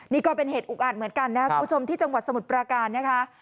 นี่ก็เป็นเหตุอุกอาจเหมือนกันนะครับคุณผู้ชมที่จังหวัดสมุทรปราการนะคะ